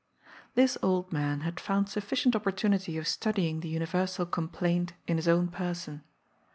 This old man had found sufficient opportunity of study ing the universal complaint in his own person.